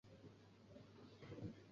蛮多旅馆的